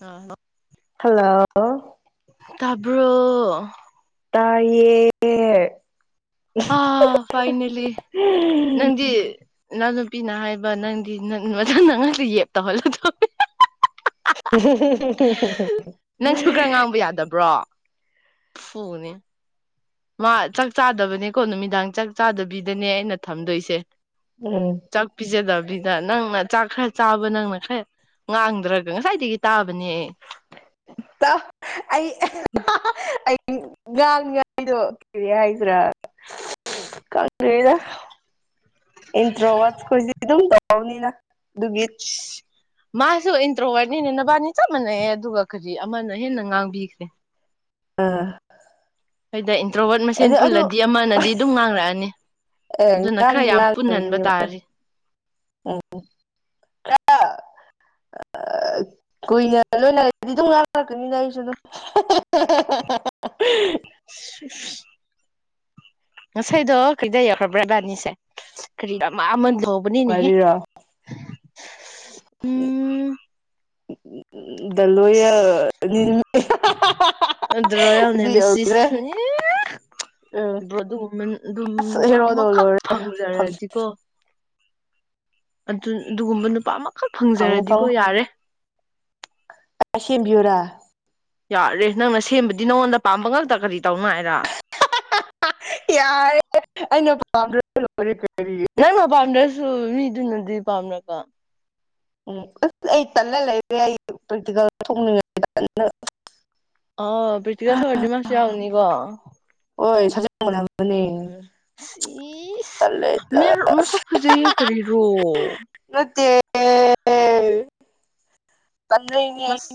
ꯑ ꯍꯜꯂꯣ ꯇꯥꯕ꯭ꯔꯣ ꯇꯥꯏꯌꯦ ꯐꯥꯏꯅꯦꯜꯂꯤ ꯅꯪꯗꯤ ꯅꯨꯄꯤꯅ ꯍꯥꯏꯕ ꯅꯪꯗꯤ ꯅ ꯑꯣꯖꯥ ꯅꯪ ꯉꯁꯤ ꯌꯦꯞ ꯇꯧꯍꯜꯂꯗꯣ ꯎ ꯅꯪꯁꯨ ꯈꯔ ꯉꯥꯡꯕ ꯌꯥꯗꯕ꯭ꯔꯣ ꯐꯨꯅꯤ ꯃꯥ ꯆꯥꯛ ꯆꯥꯗꯕꯅꯦꯀꯣ ꯅꯨꯃꯤꯗꯥꯡ ꯆꯥꯛ ꯆꯥꯗꯕꯤꯗꯅꯦ ꯑꯩꯅ ꯊꯝꯗꯣꯏꯁꯦ ꯎꯝ ꯆꯥꯛ ꯄꯤꯖꯦꯗꯃꯤ ꯑꯗꯨꯗ ꯅꯪꯅ ꯆꯥꯛ ꯈꯔ ꯆꯥꯕ ꯅꯪꯅ ꯈꯔ ꯉꯥꯡꯗ꯭ꯔꯒ ꯉꯁꯥꯏꯗꯒꯤ ꯇꯥꯕꯅꯦ ꯑꯩ ꯑꯩ ꯉꯥꯡꯅꯤꯉꯥꯏꯗꯣ ꯀꯔꯤ ꯍꯥꯏꯗ꯭ꯔꯥ ꯏꯟꯇ꯭ꯔꯣ ꯑꯋꯥꯖ ꯀꯣꯏꯁꯤ ꯑꯗꯨ ꯇꯥꯎꯅꯤꯅ ꯑꯗꯨꯗꯨꯒꯤ ꯃꯥꯁꯨ ꯏꯟꯗ꯭ꯔꯣꯋꯥꯅꯤꯅ ꯅꯕꯥꯅꯤ ꯆꯞ ꯃꯥꯟꯌꯦ ꯑꯗꯨꯒ ꯀꯔꯤ ꯑꯃꯅ ꯍꯦꯟꯅ ꯉꯥꯡꯕꯤꯈ꯭ꯔꯦ ꯑ ꯍꯣꯏꯗ ꯏꯟꯇ꯭ꯔꯣꯕꯠ ꯃꯁꯦꯟ ꯄꯨꯜꯂꯗꯤ ꯑꯃꯅꯗꯤ ꯑꯗꯨꯝ ꯉꯥꯡꯔꯛꯑꯅꯤ ꯑ ꯑꯗꯨꯅ ꯉꯥꯟ ꯈꯔ ꯌꯥꯝ ꯂ ꯄꯨꯟꯍꯟꯕ ꯇꯥꯔꯤ ꯎꯝ ꯀꯨꯏꯅ ꯂꯣꯏꯅꯔꯒꯗꯤ ꯑꯗꯨꯝ ꯉꯥꯡꯅꯔꯛꯀꯅꯤꯅ ꯑꯩꯁꯨ ꯑꯗꯨꯝ [inaudible] ꯉꯁꯥꯏꯗꯣ ꯀꯩꯗ ꯌꯧꯎꯈ꯭ꯔꯕ꯭ꯔꯥꯕꯅꯤꯁꯦ ꯀꯔꯤꯟ ꯍꯥꯎꯕꯅꯤ ꯅꯦꯍꯦ ꯎꯝ ꯑꯁ [inaudible] ꯑꯗ꯭ꯔꯣꯅꯤ ꯁꯤ ꯎꯝ ꯑꯗꯨꯒ ꯑꯗꯨꯝ ꯑꯁ ꯅꯨꯄꯥ ꯍꯦꯔꯣꯗꯣ ꯑꯃꯈꯛ ꯂꯣꯏꯔꯦ ꯐꯪꯖꯔꯛꯗꯤꯀꯣ ꯑꯗꯨ ꯑꯗꯨꯒꯨꯝꯕ ꯅꯨꯄꯥ ꯑꯃꯈꯛ ꯐꯪꯉꯣ ꯐꯪꯖꯔꯗꯤꯀꯣ ꯐꯪꯉꯣ ꯌꯥꯔꯦ ꯁꯦꯝꯕꯤꯌꯨꯔꯥ ꯌꯥꯔꯦ ꯅꯪꯅ ꯁꯦꯝꯕꯗꯤ ꯅꯉꯣꯟꯗ ꯄꯥꯝꯕ ꯉꯛꯇ ꯀꯔꯤ ꯇꯧꯅꯉꯥꯏꯔ ꯌꯥꯔꯦ ꯑꯩꯅ ꯄꯥꯝ ꯅꯪꯅ ꯄꯥꯝꯗ꯭ꯔꯁꯨ ꯃꯤꯗꯨꯅꯗꯤ ꯄꯥꯝꯅꯀꯣ ꯎꯝ ꯑꯁ ꯑꯩ ꯇꯜꯂ ꯂꯩꯔꯦ ꯑꯩ ꯄ꯭ꯔꯦꯛꯇꯤꯀꯦꯜ ꯊꯣꯛꯅꯤꯡꯉ ꯑꯣ ꯄ꯭ꯔꯤꯇꯤꯀ ꯁꯔꯗꯤ ꯃꯥꯁꯨ ꯌꯥꯎꯅꯤꯀꯣ ꯑꯣ ꯁꯆꯅꯤ ꯏꯁ ꯃ ꯃ ꯁ ꯈꯨꯖꯩ ꯀꯔꯤꯔꯣ ꯑꯦ ꯃꯁ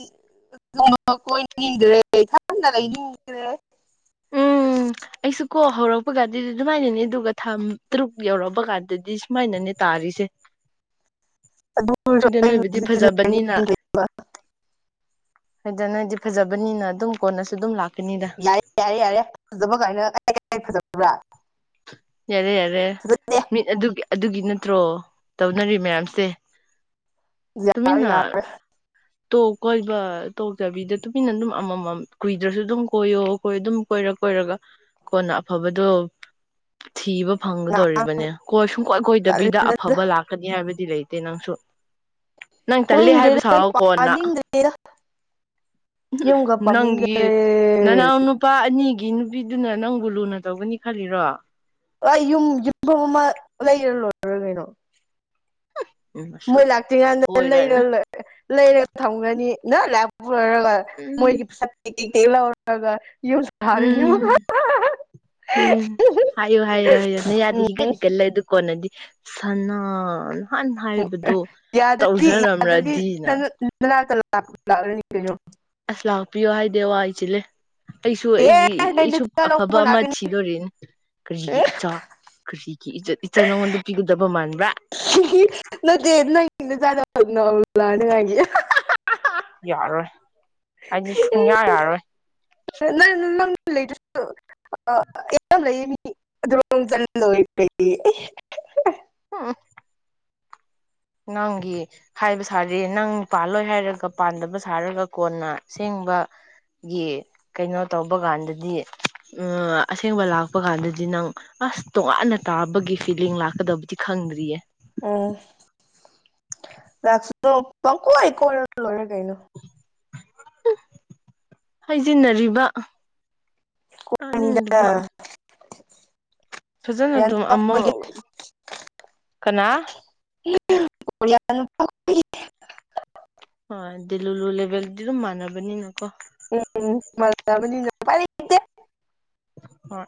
ꯄ ꯀꯣꯏꯅꯤꯡꯗ꯭ꯔꯦ ꯏꯊꯥꯗ ꯂꯩꯅꯤꯡꯗ꯭ꯔꯦ ꯎꯝ ꯑꯩꯁꯨ ꯀꯣ ꯍꯧꯔꯛꯄ ꯀꯥꯟꯗꯗꯤ ꯑꯗꯨꯃꯥꯏꯅꯅꯤ ꯑꯗꯨꯒ ꯊꯥ ꯇꯔꯨꯛ ꯌꯧꯔꯛꯑꯄ ꯀꯥꯟꯗꯗꯤ ꯁꯨꯃꯥꯏꯅꯅꯤ ꯇꯥꯔꯤꯁꯦ ꯑꯗꯨ ꯍꯧꯖꯤ ꯍꯣꯏꯗ ꯅꯣꯏꯕꯨꯗꯤ ꯍꯥꯏꯗꯅ ꯑꯩꯗꯤ ꯐꯖꯕꯅꯤꯅ ꯑꯗꯨꯝ ꯀꯣꯟꯅꯁꯨ ꯑꯗꯨꯝ ꯂꯥꯛꯀꯅꯤꯗ ꯌꯥꯔꯦ ꯌꯥꯔꯦ ꯌꯥꯔꯦ ꯐꯖꯕ ꯀꯥꯏꯅ ꯐꯖꯕ꯭ꯔꯥ ꯌꯥꯔꯦ ꯌꯥꯔꯦ ꯐꯖꯗꯦ ꯃꯤꯠ ꯑꯗꯨ ꯑꯗꯨꯒꯤ ꯅꯠꯇ꯭ꯔꯣ ꯇꯧꯅꯔꯤ ꯃꯌꯥꯝꯁꯦ ꯌꯥꯔ ꯇꯨꯃꯤꯟꯅ ꯌꯥꯔ ꯇꯣꯛ ꯀꯣꯏꯕ ꯇꯣꯛꯇꯕꯤꯗ ꯇꯨꯃꯤꯟꯅ ꯑꯗꯨꯝ ꯑꯃꯃꯝ ꯀꯨꯏꯗ꯭ꯔꯁꯨ ꯑꯗꯨꯝ ꯀꯣꯏꯌꯣ ꯀꯣꯏꯣ ꯑꯗꯨꯝ ꯀꯣꯏꯔꯛ ꯑꯣꯏꯔꯒ ꯀꯣꯟꯅ ꯑꯐꯕꯗꯣ ꯊꯤꯕ ꯅꯍꯥꯟ ꯐꯪꯒꯗꯧꯔꯤꯕꯅꯦ ꯀꯣꯏ ꯁꯨꯡꯀꯣꯏ ꯀꯣꯏꯗꯕꯤꯗ ꯇꯜꯂꯦꯗ ꯑꯐꯕ ꯂꯥꯛꯀꯅꯤ ꯍꯥꯏꯕꯗꯤ ꯂꯩꯇꯦ ꯅꯪꯁꯨ ꯅꯪ ꯇꯂꯦ ꯀꯣꯏꯅꯤꯡꯗ꯭ꯔꯦꯗ ꯍꯥꯏꯕꯁꯨꯥꯎ ꯀꯣꯟꯅ ꯄꯥꯅꯤꯡꯗ꯭ꯔꯦꯗ ꯌꯨꯝꯒ ꯅꯪꯒꯤ ꯄꯥꯅꯤꯡꯗ꯭ꯔꯦ ꯅꯅꯥꯎ ꯅꯨꯄꯥ ꯑꯅꯤ ꯑꯅꯦꯒꯤ ꯅꯨꯄꯤꯗꯨꯅ ꯅꯪꯕꯨ ꯂꯨꯅ ꯇꯧꯒꯅꯤ ꯈꯜꯂꯤꯔꯣ ꯌꯨꯝ ꯌꯨꯝꯐꯝ ꯑꯃ ꯂꯩꯔ ꯂꯣꯏꯔꯔ ꯀꯩꯅꯣ ꯎꯝ ꯃꯣꯏ ꯃꯁꯛ ꯂꯥꯛꯇ꯭ꯔꯤꯉꯥꯟꯗ ꯂꯩꯔ ꯑꯣꯏꯔꯅ ꯂꯩꯔꯒ ꯊꯝꯒꯅꯤ ꯅ ꯂ ꯄꯨꯔꯒ ꯎꯝ ꯃꯣꯏꯒꯤ ꯄꯁꯛ ꯀꯩ ꯀꯩ ꯇꯦꯛ ꯂꯧꯔꯒ ꯌꯨꯝ ꯁꯥꯔꯤꯅꯨ ꯎꯝ ꯎꯝ ꯍꯥꯏꯌꯨ ꯍꯥꯏꯌꯨ ꯍꯥꯏꯌꯨ ꯅ ꯌꯥꯗꯤ ꯍꯤꯒꯗꯤꯒꯜꯂ ꯑꯗꯨ ꯀꯣꯟꯅꯗꯤ ꯁꯅ ꯌꯥꯗꯗꯤ ꯇꯧꯖꯔꯝꯔꯗꯤꯅ ꯌꯥꯗꯗꯤꯩꯅꯣ [inaudible] ꯑꯁ ꯂꯥꯛꯄꯤꯌꯣ ꯍꯥꯏꯗꯦ ꯋꯥ ꯑꯩꯁꯤꯂꯦ ꯑꯩꯁꯨ ꯑꯦ ꯑꯩꯒꯤ ꯅꯪ ꯑꯩꯁꯨ ꯅꯆꯥ ꯑꯐꯕ ꯂꯧꯕ ꯑꯃ ꯂꯥꯛꯀꯅꯤ ꯊꯤꯗꯣꯔꯤꯅꯦ ꯀꯔꯤꯒꯤ ꯏꯆꯥ ꯀꯁꯤ ꯏꯆꯆꯥ ꯅꯉꯣꯟꯗ ꯄꯤꯒꯗꯕ ꯃꯥꯟꯕ ꯅ ꯗꯅ ꯅꯎ ꯂꯅꯉꯥꯏꯒꯤ ꯌꯥꯔꯣꯏ ꯑꯩꯗꯤ ꯁꯨꯡꯌꯥ ꯌꯥꯔꯣꯏ ꯂ ꯂꯩꯇꯦꯁ ꯑ ꯂꯩꯌꯦ ꯃꯤ ꯑꯗꯨ ꯆ ꯂꯣꯏ ꯀꯩ ꯑ ꯅꯪꯒꯤ ꯍꯥꯏꯕ ꯁꯥꯔꯤ ꯅꯪ ꯄꯥꯜꯂꯣꯏ ꯍꯥꯏꯔꯒ ꯄꯥꯟꯗꯕ ꯁꯥꯔꯒ ꯀꯣꯟꯅꯦꯡ ꯕ [unintelligible] ꯒꯤ ꯀꯩꯅꯣ ꯇꯧꯕ ꯀꯥꯟꯗꯗꯤ ꯎ ꯑꯁꯦꯡꯕ ꯂꯥꯛꯄ ꯀꯥꯟꯗꯗꯤ ꯅꯪ ꯑꯁ ꯇꯣꯉꯥꯟꯅ ꯇꯥꯕꯒꯤ ꯐꯤꯂꯤꯡ ꯂꯥꯛꯀꯗꯕꯗꯤ ꯈꯪꯗ꯭ꯔꯤꯌꯦ ꯑ ꯂꯥꯛꯁꯨ ꯅ ꯄ ꯀꯣꯏ ꯀꯣꯔ ꯂꯣꯏꯔꯦ ꯀꯩꯅꯩꯅꯣ ꯍꯥꯏꯖꯤꯟꯅꯔꯤꯕ ꯑꯅꯤꯡ ꯑꯅꯤꯗ ꯗꯨꯝꯕ ꯑꯃ [unintelligible] ꯀꯅꯥ [unintelligible] ꯍꯣꯏ ꯑꯗꯨꯗꯤ ꯂꯨ ꯂꯨ ꯂꯦꯕꯦꯜꯗꯤ ꯑꯗꯨꯝ ꯃꯥꯟꯅꯕꯅꯤꯅꯀꯣ ꯎꯝ ꯃ [inaudible] ꯍꯣꯏ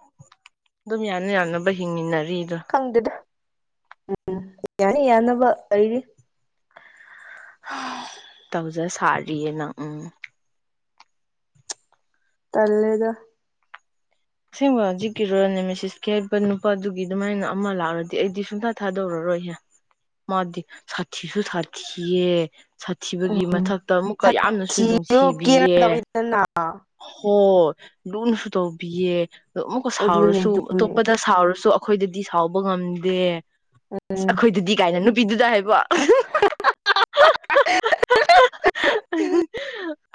ꯑꯗꯨꯝ ꯌꯥꯅ ꯌꯥꯅꯕ ꯍꯤꯡꯃꯤꯟꯅꯔꯦ ꯈꯪꯗꯦꯗ ꯎꯝ ꯌꯥꯅꯤ ꯌꯥꯅꯕꯗꯤ ꯇꯧꯖ ꯁꯥꯔꯤꯌꯦ ꯅꯪ ꯎꯝ ꯇꯂꯦꯗ ꯑꯁꯦꯡꯕ ꯍꯧꯖꯤꯛꯀꯤ ꯔꯣꯅꯦꯃꯦꯦꯁꯤꯁꯀꯤ ꯍꯥꯏꯕ ꯅꯨꯄꯥꯗꯨꯒꯤ ꯑꯗꯨꯃꯥꯏꯅ ꯑꯃ ꯂꯥꯛꯔꯗꯤ ꯑꯩꯗꯤ ꯁꯨꯡꯊꯥ ꯊꯥꯗꯧꯔꯔꯣ ꯃꯥꯗꯤ ꯁꯥꯊꯤꯁꯨ ꯁꯥꯊꯤꯌꯦ ꯁꯥꯊꯤꯕꯒꯤ ꯎꯝ ꯃꯊꯛꯇ ꯑꯃꯨꯛꯀ ꯌꯥꯝꯅꯁꯨ ꯁꯥꯊꯤꯔꯣ ꯀꯦꯌꯔ ꯅꯨꯡꯁꯤꯕꯤꯌꯦ ꯇꯧꯋꯤꯗꯅ ꯑꯣ ꯂꯨꯅꯁꯨ ꯇꯧꯕꯤꯌꯦ ꯑꯣ ꯑꯃꯨꯛꯀ ꯑꯗꯨꯅꯦ ꯁꯥꯎꯔꯁꯨ ꯑꯗꯨꯅꯦ ꯑꯇꯣꯞꯄꯗ ꯁꯥꯎꯔꯁꯨ ꯑꯩꯈꯣꯏꯗꯗꯤ ꯁꯥꯎꯕ ꯉꯝꯗꯦ ꯑ ꯎꯝ ꯑꯩꯈꯣꯏꯗꯗꯤ ꯀꯥꯏꯅ ꯅꯨꯄꯤꯗꯨꯗ ꯍꯥꯏꯕꯣ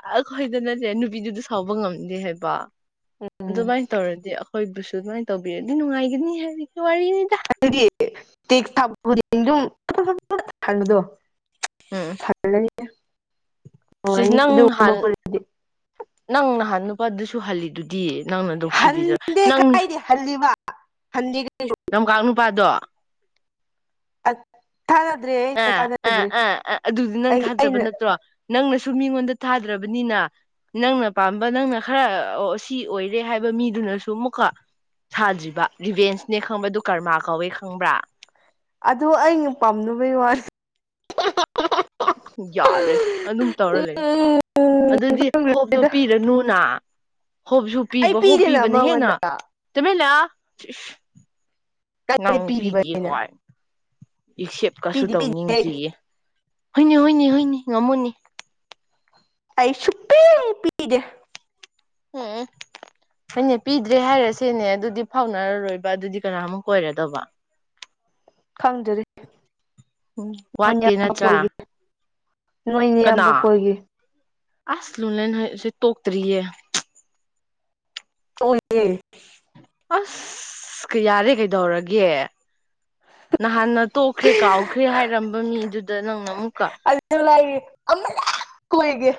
ꯑ ꯈꯣꯏꯗ ꯅꯁꯦ ꯕꯤꯗꯨꯗ ꯁꯥꯎꯕ ꯉꯝꯗꯦ ꯍꯥꯏꯕ ꯎꯝ ꯑꯗꯨꯃꯥꯏꯅ ꯇꯧꯔꯗꯤ ꯑꯩꯈꯣꯏꯕꯨꯁꯨ ꯑꯗꯨꯃꯥꯏꯅ ꯇꯧꯕꯤꯔꯗꯤ ꯅꯨꯡꯉꯥꯏꯒꯅꯤ ꯍꯥꯏ ꯑꯗꯨꯗꯤ ꯇꯦꯛ ꯊꯪꯕꯗꯣ [unintelligible] ꯎꯝ ꯁꯤꯁ ꯅꯨꯡꯉꯥꯏꯅꯤ ꯅꯪ ꯑꯗꯨꯒꯨꯝꯕ ꯍꯥꯟ ꯀꯣꯏꯔꯗꯤ ꯅꯪ ꯅꯍꯥꯟ ꯅꯨꯄꯥꯗꯨꯁꯨ ꯍꯜꯂꯤꯗꯨꯗꯤ ꯅꯪꯅ ꯅꯨꯡꯁꯤꯕꯤꯗ꯭ꯔ ꯍꯟꯗꯦ ꯅꯪ ꯀꯥꯏꯗꯤ ꯍꯜꯂꯤꯕ ꯍꯟꯗꯦ ꯅꯝꯀ ꯅꯨꯄꯥꯗꯣ ꯑꯠ ꯑ ꯑ ꯑ ꯑꯗꯨꯗꯤ ꯅꯪ ꯑꯩ ꯊꯥꯖꯕ ꯑꯩꯅ ꯅꯠꯇ꯭ꯔꯣ ꯅꯪꯅ ꯑꯗꯨ ꯃꯤꯉꯣꯟꯗ ꯊꯥꯗ꯭ꯔꯕꯅꯤꯅ ꯅꯪꯅ ꯄꯥꯝꯕ ꯅꯪꯅ ꯈꯔ ꯁꯤ ꯑꯣꯏꯔꯦ ꯍꯥꯏꯕ ꯃꯤꯗꯨꯅꯁꯨ ꯑꯃꯨꯛꯀ ꯁꯥꯗ꯭ꯔꯤꯕ ꯚꯦꯟꯁꯅꯦ ꯈꯪꯕ ꯑꯗꯨ ꯀꯔꯃꯥ ꯀꯧꯋꯦ ꯈꯪꯕ꯭ꯔꯥ ꯑꯗ ꯑꯩꯅ ꯄꯥꯝꯅꯕꯒꯤ ꯋꯥꯁ ꯌꯥꯔꯦ ꯑꯗꯨꯝ ꯇꯧꯔ ꯂꯩ ꯑꯗꯨꯗꯤ ꯍꯣꯞꯇꯣ ꯄꯤꯔꯅꯨꯅ ꯍꯣꯞꯁꯨ ꯑꯩ ꯄꯤꯕ ꯄꯤꯗꯦꯅ ꯍꯣꯞꯄꯤꯕꯅ ꯍꯦꯟꯅ ꯃꯉꯣꯟꯗ ꯆꯃꯦꯂ ꯀꯗꯤ ꯄꯤꯔꯤꯕꯅꯤꯅ ꯑꯦꯛꯁꯦꯞꯀꯁꯨ ꯑꯩ ꯇꯧꯅꯤꯡꯗ꯭ꯔꯤꯌꯦ ꯍꯣꯏꯅꯦ ꯍꯣꯏꯅꯤ ꯍꯣꯏꯅꯤ ꯉꯝꯃꯨꯅꯤ ꯑꯩ ꯆꯄꯦ ꯄꯤꯔ ꯍꯅꯦ ꯄꯤꯗ꯭ꯔꯦ ꯍꯥꯏꯔꯁꯦꯅꯦ ꯑꯗꯨꯗꯤ ꯐꯥꯎꯅꯔꯔꯣꯏꯕ ꯑꯗꯨꯗꯤ ꯀꯅꯥꯃꯨꯛ ꯑꯣꯏꯔꯗꯧꯕ ꯈꯪꯖꯔꯤ ꯎꯝ ꯋꯥꯠꯇꯦ ꯌꯥꯝ ꯅꯠꯇ꯭ꯔꯥ ꯀꯣꯏꯒꯤ ꯅꯣꯏꯅꯤ ꯀꯅꯥ ꯑꯌꯥꯝꯕ ꯀꯣꯏꯒ ꯑꯁ ꯂꯨꯂꯁꯦ ꯇꯣꯛꯇ꯭ꯔꯤꯌꯦ ꯇꯦ ꯑꯁ ꯌꯥꯔꯦ ꯀꯩꯗꯧꯔꯒꯦ ꯅꯍꯥꯟꯅ ꯇꯣꯛꯈ꯭ꯔꯦ ꯀꯥꯎꯈ꯭ꯔꯦ ꯍꯥꯏꯔꯝꯕ ꯃꯤꯗꯨꯗ ꯅꯪꯅ ꯑꯃꯨꯛꯀ ꯂꯩꯌꯦ ꯑꯃ ꯀꯣꯏꯒꯦ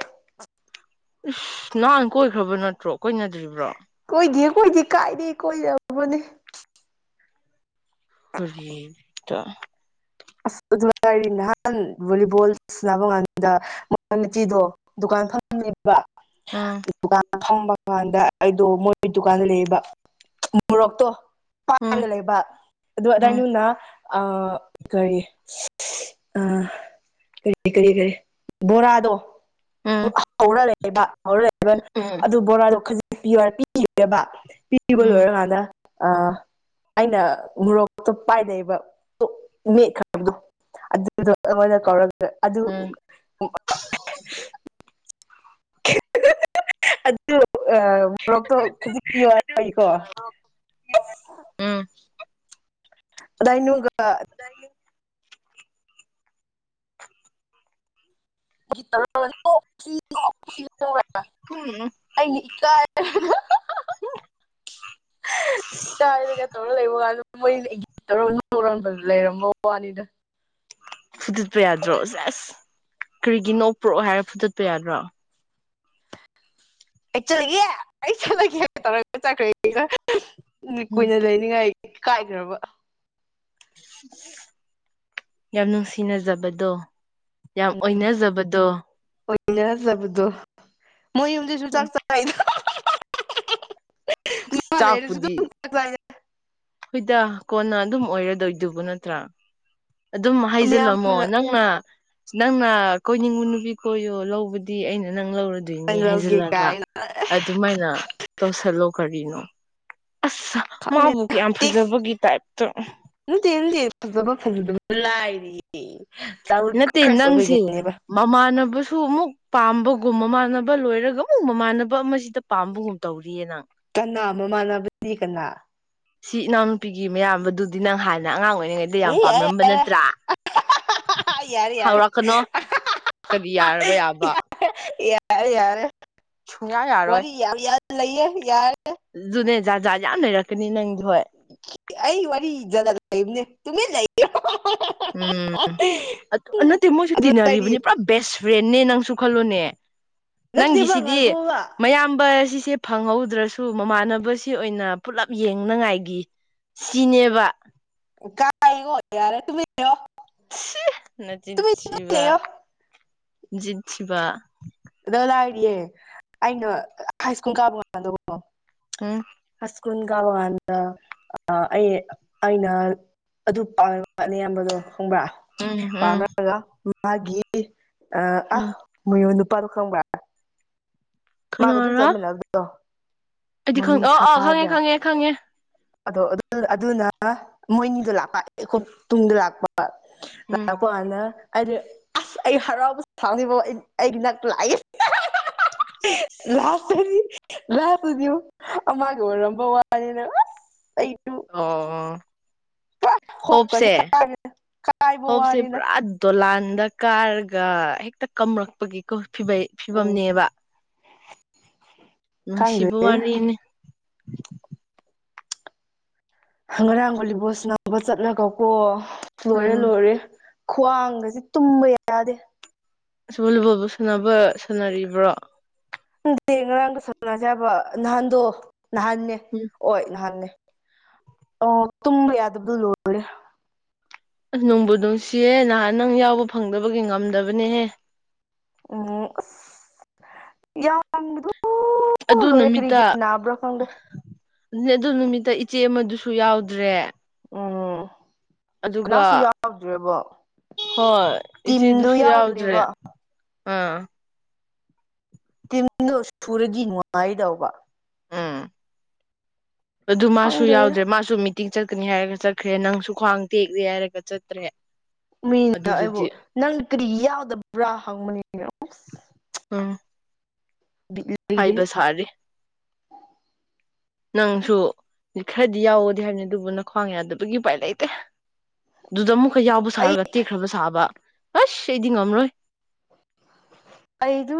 ꯏꯁꯁ ꯅꯍꯥꯟ ꯀꯣꯏꯈ꯭ꯔꯕ ꯅꯠꯇ꯭ꯔꯣ ꯀꯣꯏꯅꯗ꯭ꯔꯤꯕ꯭ꯔꯣ ꯀꯣꯏꯗꯤ ꯀꯣꯏꯗꯦ ꯀꯥꯏꯔꯤ ꯀꯣꯏꯔꯕꯅꯦ ꯍꯔꯤꯇ ꯑꯁ ꯑꯗꯨꯔꯤ ꯅꯍꯥꯟ ꯚꯣꯂꯤꯕꯣꯜ ꯁꯥꯟꯅꯕ ꯀꯥꯟꯗꯇꯤꯗꯣ ꯗꯨꯥꯟ ꯐꯕ ꯎꯝ ꯗꯨꯀꯥꯟ ꯐꯪꯕ ꯗꯨꯀꯥꯟꯗ ꯑꯩꯗꯣ ꯃꯣꯏꯒꯤ ꯗꯨꯀꯥꯟꯗ ꯂꯩꯕ ꯃꯣꯔꯣꯛꯇꯣ ꯎꯝ ꯄꯥꯒ ꯂꯩꯕ ꯑꯗꯨ ꯎꯝ ꯑꯗꯥꯏꯅ ꯑ ꯀꯔꯤ ꯑ ꯀꯔꯤ ꯀꯔꯤ ꯀꯔꯤ ꯕꯣꯔꯥꯗꯣ ꯎꯝ ꯍꯧꯔꯛ ꯂꯩꯦꯕ ꯍꯧꯔꯦꯕ ꯎꯝ ꯑꯗꯨ ꯕꯣꯔꯥꯗꯣ ꯈꯖꯤ ꯄꯤꯕ ꯄꯤꯕ ꯎꯝ ꯎꯝ ꯂꯣꯏꯔꯀꯥꯟꯗ ꯑ ꯑꯩꯅ ꯃꯣꯔꯣꯛꯇꯣ ꯄꯥꯏ ꯂꯩꯩꯕ ꯃꯈꯕꯗꯣ ꯑꯗꯨꯗꯣꯗ ꯀꯧꯔ ꯑꯗꯨ ꯑꯗꯨ ꯎꯝ ꯑꯗꯨ ꯑ ꯃꯣꯔꯣꯛꯇꯣꯖꯤꯌ ꯐꯩꯀꯣ ꯎꯝ ꯑꯗꯥꯏꯩꯅꯒ [unintelligible] ꯔꯕ ꯑꯩꯅ ꯏꯀꯥꯏ ꯏ ꯍꯥꯏꯒ ꯇꯧꯔ ꯂꯩ ꯂꯩꯕ ꯃꯣꯏꯧ ꯇꯧꯔꯥꯟꯕ ꯂꯩꯔꯝꯃꯣ ꯋꯥꯅꯤꯗ ꯐꯨꯠꯇꯠꯄ ꯌꯥꯗ꯭ꯔꯣꯁꯖ ꯑꯁ ꯀꯔꯤꯒꯤꯅꯣ ꯄꯨꯔꯛꯑꯣ ꯍꯥꯏꯔ ꯐꯨꯠꯇꯠꯄ ꯌꯥꯗ꯭ꯔꯣ ꯑꯩ ꯆꯠꯂꯒꯦ ꯑꯩ ꯆꯠꯂꯒꯦ ꯇꯧꯔꯒ ꯆꯠꯈ꯭ꯔꯦ ꯎꯝ ꯀꯨꯏꯅ ꯂꯩꯅꯤꯡꯉꯥꯏ ꯀꯥꯏꯈ꯭ꯔꯕ ꯌꯥꯝ ꯅꯨꯡꯁꯤꯅꯖꯕꯗꯣ ꯌꯥꯝ ꯑꯣꯏꯅꯖꯕꯗꯣ ꯏꯖꯕꯗꯣ ꯃꯣꯏ ꯌꯨꯝꯗꯁꯨ ꯆꯥꯛ ꯆꯉꯏꯅ ꯃꯥ ꯂꯩꯁꯨ ꯆꯥꯛꯄꯨꯗꯤ ꯍꯣꯏꯗ ꯀꯣꯟꯅ ꯑꯗꯨꯝ ꯑꯣꯏꯔꯗꯣꯏꯗꯨꯕꯨ ꯅꯠꯇ꯭ꯔꯥ ꯑꯗꯨꯝ ꯃꯌꯥꯝ ꯍꯥꯏꯖꯤꯜꯂꯝꯃꯣ ꯑꯣꯏꯅ ꯅꯪꯅ ꯅꯪꯅ ꯀꯣꯏꯅꯤꯡꯉ ꯅꯨꯄꯤ ꯀꯣꯏꯌꯣ ꯂꯧꯕꯗꯤ ꯑꯩꯅ ꯅꯪ ꯂꯧꯔ ꯑꯗꯨꯏꯅꯦ ꯂꯧꯒꯦ ꯍꯥꯏꯖꯤꯜꯂꯒ ꯀꯥꯏꯅ ꯑꯗꯨꯃꯥꯏꯅ ꯇꯧꯁꯜꯂꯣ ꯀꯔꯤꯅꯣ ꯑꯁ ꯪ ꯃꯥꯕꯨ ꯀꯌꯥꯝ ꯅꯠꯇꯦ ꯐꯖꯕꯒꯤ ꯇꯥꯏꯞꯇ ꯅꯗꯤꯦ ꯐꯖꯕ ꯐꯪꯗꯕ ꯑꯩ ꯅꯠꯇꯦ ꯅꯪꯁꯦ ꯃꯃꯥꯟꯅꯕꯁꯨ ꯑꯃꯨꯛ ꯄꯥꯝꯕꯒꯨꯝ ꯃꯃꯥꯟꯅꯕ ꯂꯣꯏꯔꯒ ꯑꯃꯨꯛ ꯃꯃꯥꯟꯅꯕ ꯑꯃꯁꯤꯗ ꯄꯥꯝꯕꯒꯨꯝ ꯇꯧꯔꯤꯌꯦ ꯅꯪ ꯀꯅꯥ ꯃꯃꯥꯟꯅꯕ ꯗꯤ ꯀꯅꯥ ꯁꯤ ꯏꯅꯥꯎꯅꯨꯄꯤꯒꯤ ꯃꯌꯥꯝꯕꯗꯨꯗꯤ ꯅꯪ ꯍꯥꯟꯅ ꯑꯉꯥꯡ ꯑꯣꯏꯔꯤꯉꯩꯗ ꯌꯥꯝ ꯎꯝ ꯄꯥꯝꯂꯝꯝꯕ ꯅꯠꯇ꯭ꯔꯥ ꯌꯥꯔꯦ ꯌꯥꯔꯦ ꯍꯧꯔꯛꯀꯅꯣ ꯀꯔꯤ ꯌꯥꯔꯕ ꯌꯥꯔꯦ ꯌꯥꯔꯦ ꯁꯨꯡꯉꯥꯏ ꯌꯥꯔꯣꯏ ꯂꯩ ꯌꯥꯔ ꯑꯗꯨꯨꯅꯦ ꯖꯥ ꯖꯥꯠ ꯌꯥꯝ ꯂꯩꯔꯛꯀꯅꯤ ꯅꯪ ꯑꯩ ꯋꯥꯔꯤ ꯖꯂ ꯂꯩꯅꯦ ꯇꯨꯃꯦ ꯂꯩꯌꯦ ꯎꯝ ꯑꯗꯨ ꯎꯝ ꯅꯠꯇꯦ ꯃꯣꯏꯁꯨ ꯑꯗꯨ ꯍꯥꯏꯗꯤ ꯇꯤꯟꯅꯔꯤꯕꯅꯤ ꯄꯨꯔꯥ ꯕꯦꯁ ꯐ꯭ꯔꯦꯟꯅꯦ ꯅꯪꯁꯨ ꯈꯜꯂꯣꯅꯦ ꯅꯠꯇꯦꯕ ꯅꯪꯒꯤꯁꯤꯗꯤ ꯉꯥꯏꯈꯣꯕ ꯃꯌꯥꯝ ꯁꯦ ꯐꯪꯍꯧꯗ꯭ꯔꯁꯨ ꯃꯃꯥꯟꯅꯕꯁꯤ ꯑꯣꯏꯅ ꯄꯨꯂꯞ ꯌꯦꯡꯅꯉꯥꯏꯒꯤ ꯁꯤꯅꯦꯕ ꯀꯥꯏꯥꯏꯒꯣ ꯌꯥꯔꯦ ꯇꯨꯃꯤꯣ ꯅ ꯆꯤꯁꯤꯕ ꯂꯩꯌꯣ ꯁꯤꯕ ꯑꯗ ꯂꯥꯛꯏꯔꯤꯌꯦꯦ ꯑꯩꯅ ꯍꯥꯏ ꯁ꯭ꯀꯨꯜ ꯀꯥꯕ ꯉꯥꯟꯗꯀꯣ ꯑ ꯭ ꯀꯨꯟ ꯀꯥꯟꯗ ꯑꯩ ꯑꯩꯅ ꯑꯗꯨ ꯄꯥ ꯑꯌꯥꯝꯕꯗꯣ ꯐꯪꯕ꯭ꯔ ꯎꯝ ꯎꯝ ꯄꯥꯝꯅꯔꯒ ꯃꯥꯒꯤ ꯑ ꯎꯝ ꯃꯌꯣꯟ ꯅꯨ ꯄꯔꯈꯕ ꯃꯥꯒ ꯑꯗꯨꯝ ꯆꯠꯃꯤꯟꯅꯕꯗꯣ ꯑꯩꯗꯤꯦ ꯃꯣꯔꯅꯤꯡ ꯑ ꯁꯥ ꯑꯥ ꯈꯪꯉꯦ ꯍꯥꯏꯕ꯭ꯔꯥ ꯈꯪꯉꯦ ꯈꯪꯉꯦ ꯑꯗꯣ ꯑꯗꯨꯅ ꯃꯣꯏꯅꯤꯗ ꯂꯥꯛꯄꯈ ꯇꯨꯡꯗ ꯂꯥꯛꯄ ꯎꯝ ꯂꯄꯅ ꯍꯥꯏ ꯑꯁ ꯑꯩ ꯍꯔꯥꯎꯕꯁꯨ ꯁꯥꯎꯅꯤꯡꯕꯧ ꯑꯩꯒꯤ ꯅꯛ ꯂꯥꯛꯏꯁ ꯂꯥꯁꯅꯤ ꯂ ꯇꯨꯊ ꯑꯃꯒꯔ ꯅꯝꯝꯕ ꯋꯥꯅꯤꯅꯦ ꯑꯣ ꯈꯣꯛꯀꯁꯦ ꯍꯣꯞꯁꯦ ꯀꯥꯔꯦ ꯀꯥꯏꯕ ꯍꯣꯞꯁꯦ ꯋꯥꯅꯤꯗ ꯄꯨꯔꯥ ꯗꯂꯥꯟ ꯗꯔ ꯀꯥꯔꯒ ꯍꯦꯛꯇ ꯀꯝꯔꯛꯄꯒꯤ ꯎꯝ ꯐꯤꯕꯝꯅꯦꯕ ꯎꯝ ꯈꯪꯗ꯭ꯔꯦꯗ ꯁꯤꯕꯋꯥꯅꯤꯅꯤ ꯪ ꯉꯔꯥꯡꯒꯂꯤꯕꯣꯁ ꯅꯅꯥꯕ ꯆꯠꯂꯒ ꯀꯣ ꯂꯣꯏꯔꯦ ꯎꯝ ꯂꯣꯏꯔꯦ ꯈ꯭ꯋꯥꯡꯒꯁꯦ ꯇꯨꯝꯕ ꯌꯥꯗꯦ ꯑꯕꯨ ꯂꯨꯕꯣꯕꯨ ꯁꯅꯕ ꯁꯥꯟꯅꯔꯤꯕ꯭ꯔꯣ ꯗꯤ ꯉꯔꯥꯡꯒ ꯁꯝꯅꯁꯦ ꯍꯥꯏꯕ ꯅꯍꯥꯟꯗꯣ ꯅꯍꯥꯟꯅꯦ ꯎꯝ ꯍ ꯅꯍꯥꯟꯅꯦ ꯑꯣ ꯇꯨꯝꯕ ꯌꯥꯗꯕꯗꯨꯣ ꯂꯣꯏꯔꯦ ꯑꯁ ꯅꯣꯡꯕꯨ ꯅꯨꯡꯁꯤꯌꯦꯦ ꯅꯍꯥꯟ ꯅꯪ ꯌꯥꯎꯕ ꯐꯪꯗꯕꯒꯤ ꯉꯝꯗꯕꯅꯦꯍꯦ ꯎꯝ ꯌꯥꯝ ꯑꯣ ꯑꯗꯨ ꯂꯣꯏꯔꯦ ꯀꯔꯤꯒ ꯅꯅꯥꯕ꯭ꯔ ꯈꯪꯗ ꯑꯗꯨꯅꯦ ꯑꯗꯨ ꯅꯨꯃꯤꯠꯇ ꯏꯆꯦ ꯑꯃꯗꯨꯁꯨ ꯌꯥꯎꯗ꯭ꯔꯦ ꯎꯝ ꯀꯅꯥꯁꯨ ꯑꯗꯨꯒ ꯌꯥꯎꯗ꯭꯭ꯔꯕꯣ ꯍꯣꯏ ꯏꯆꯦꯗꯨꯁꯨ ꯌꯥꯎꯗ꯭ꯔꯦ ꯑꯥ ꯇꯤꯟꯗꯣ ꯁꯨꯔꯗꯤ ꯅꯨꯡꯉꯥꯏꯗꯧꯕ ꯎꯝ ꯑꯗꯨ ꯃꯥꯁꯨ ꯈꯪꯗ꯭ꯔꯦꯗ ꯌꯥꯎꯗ꯭ꯔꯦ ꯃꯥꯁꯨ ꯃꯤ ꯇꯤꯡ ꯆꯠꯀꯅꯤ ꯍꯥꯏꯔꯒ ꯆꯠꯈ꯭ꯔꯦ ꯅꯪꯁꯨ ꯈ꯭ꯋꯥꯡ ꯇꯦꯛꯂꯦ ꯍꯥꯏꯔꯒ ꯆꯠꯇ꯭ꯔꯦ ꯃꯤꯅꯦ ꯑꯩꯕꯨ ꯑꯗꯨꯗꯨꯗꯤ ꯅꯪꯅ ꯀꯔꯤ ꯌꯥꯎꯗꯕ꯭ꯔꯥ ꯍꯪꯕꯅꯤ ꯍꯥꯏꯕꯁ ꯁꯥꯔꯦ ꯅꯪꯁꯨ ꯈꯔꯗꯤ ꯌꯥꯎꯒꯗꯤ ꯍꯥꯏꯕꯅꯤ ꯑꯗꯨꯕꯨ ꯅ ꯈ꯭ꯋꯥꯡ ꯌꯥꯗꯕꯒꯤ ꯎꯄꯥꯏ ꯂꯩꯇꯦ ꯑꯗꯨꯗ ꯑꯃꯨ ꯑꯩꯈꯣꯏ ꯌꯥꯎꯕ ꯑꯩ ꯁꯥꯔꯒ ꯇꯦꯛꯈ꯭ꯔꯕ ꯁꯥꯕ ꯑꯁ ꯑꯩꯗꯤ ꯉꯝꯔꯣꯏ ꯑꯩꯁꯨ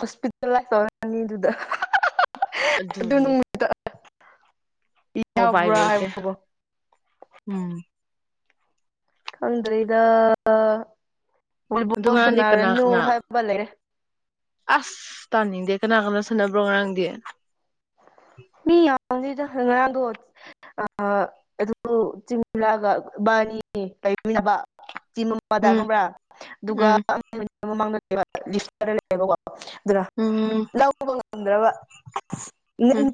ꯍꯣꯁꯄꯤꯇꯥꯥꯏ ꯇꯧꯔꯛꯅꯤ ꯑꯗꯨꯗ ꯑꯗꯨꯅꯤ ꯎꯄꯥꯏ ꯏꯍꯕ꯭ꯔꯥ ꯂꯩꯇꯦ ꯍꯥꯏꯕ ꯍꯕꯣ ꯎꯝ ꯈꯪꯗ꯭ꯔꯦꯗ ꯑꯗꯨꯗꯨꯃꯅꯥ ꯀꯅꯥ ꯀꯅꯥ ꯂꯩꯔꯦ ꯑꯁ ꯇꯅꯤ ꯗ ꯀꯅꯥ ꯀꯝꯅ ꯁꯥꯟꯅꯕ꯭ꯔꯣ ꯉꯔꯥꯡꯗꯤ ꯃꯤ ꯌꯥꯝꯗꯦꯗ ꯉꯔꯥꯡ ꯑꯗꯨ [unintelligible] [unintelligible] [unintelligible] ꯂꯩꯃꯤꯟꯅꯕ ꯆꯤ ꯑꯃꯗ ꯎꯝ ꯈꯪꯕ꯭ꯔꯥ ꯑꯗꯨꯒ ꯎꯝ ꯃꯥꯡꯗꯕꯀꯣ ꯑꯗꯨꯅ ꯎꯝ ꯂꯧꯕ ꯉꯝꯗ꯭ꯔꯕ ꯎꯝ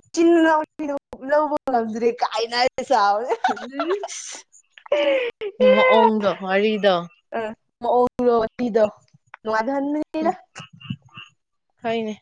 ꯂꯧꯕ ꯉꯝꯗ꯭ꯔꯦ ꯀꯥꯏꯅ ꯁꯥꯎꯋꯦ ꯎꯝ ꯏꯁ ꯍꯍꯍ ꯌꯦ ꯃꯑꯣꯡꯗꯣ ꯋꯥꯔꯤꯗꯣ ꯎ ꯃꯑꯣꯡꯗꯣ ꯋꯥꯔꯤꯗꯣ ꯅꯨꯉꯥꯢꯍꯟꯕꯅꯤꯗ ꯍꯣꯢꯅꯦ